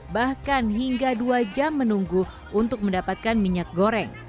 bahkan hingga dua jam menunggu untuk mendapatkan minyak goreng